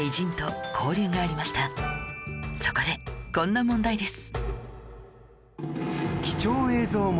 そこでこんな問題です